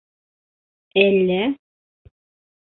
Әллә...